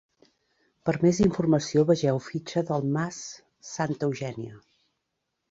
Per més informació vegeu fitxa del mas Santa Eugènia.